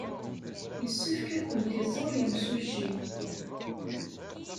Yessefk ad kent-iẓer yemsujji.